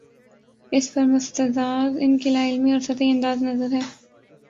اس پر مستزاد ان کی لا علمی اور سطحی انداز نظر ہے۔